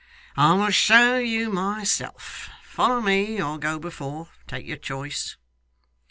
'I will show you myself. Follow me, or go before. Take your choice.